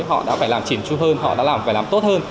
họ đã phải làm chỉn tru hơn họ đã phải làm tốt hơn